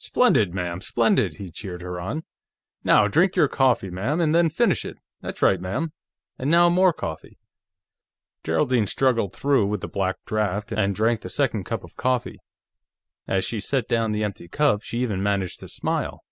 "Splendid, ma'am; splendid!" he cheered her on. "Now, drink your coffee, ma'am, and then finish it. That's right, ma'am. And now, more coffee." Geraldine struggled through with the black draft and drank the second cup of coffee. As she set down the empty cup, she even managed to smile.